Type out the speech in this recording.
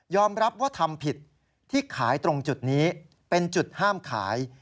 รับว่าทำผิดที่ขายตรงจุดนี้เป็นจุดห้ามขาย